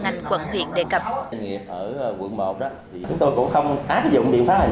ngành quận huyện đề cập doanh nghiệp ở quận một đó chúng tôi cũng không áp dụng biện pháp hành